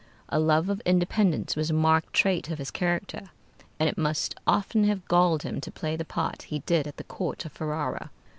A love of independence was a marked trait of his character, and it must often have galled him to play the part he did at the court of Ferrara.